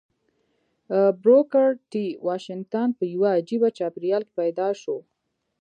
بروکر ټي واشنګټن په يوه عجيبه چاپېريال کې پيدا شو.